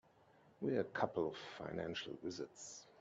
We're a couple of financial wizards.